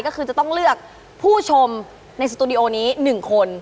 ก็คือจะต้องเลือกผู้ชมในสตูดิโอนี้๑คน